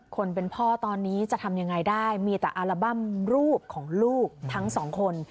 คนเป็นพ่อตอนนี้จะทำยังไงได้มีแต่อัลบั้มรูปของลูกทั้งสองคน